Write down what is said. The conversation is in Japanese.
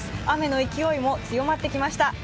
雨の勢いも強まってきました。